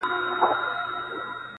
چاویل چي چوروندک د وازګو ډک دی٫